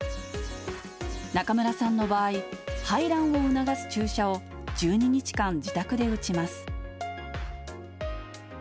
中村さんの場合、排卵を促す注射を１２日間、自宅で打ちます。